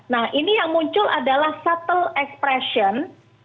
nah ini yang muncul adalah suttle expression